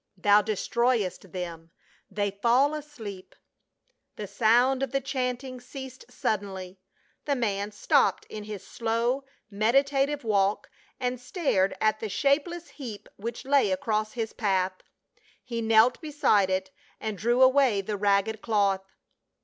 Thou destroyest them ; they fall asleep —" The sound of the chanting ceased suddenly ; the man .stopped in his slow, meditative walk and stared at the shapeless heap which lay across his path. He knelt beside it and drew away the ragged cloth.